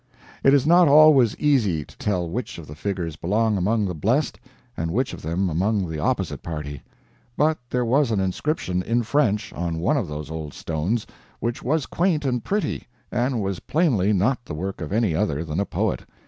It is not always easy to tell which of the figures belong among the blest and which of them among the opposite party. But there was an inscription, in French, on one of those old stones, which was quaint and pretty, and was plainly not the work of any other than a poet.